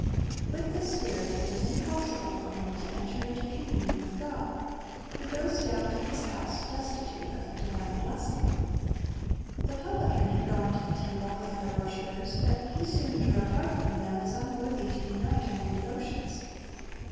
With this spirit it is impossible for him to enter into communion with God. He goes down to his house destitute of the divine blessing. The publican had gone to the temple with other worshipers, but he soon drew apart from them, as unworthy to unite in their devotions.